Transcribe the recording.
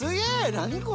何これ！